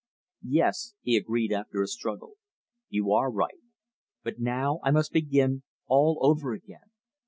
"Yes," he agreed after a struggle, "you are right. But now I must begin all over again.